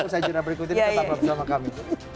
usaha jurnal berikut ini tetap bersama kami